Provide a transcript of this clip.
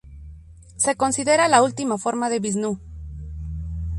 Se considera la última forma de Visnú.